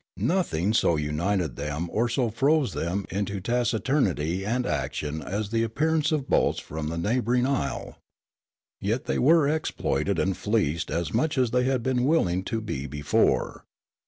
Nothing so united them or so froze them into taci turnity and action as the appearance of boats from the neighbouring isle. Yet they were exploited and fleeced as much as they had been willing to be before.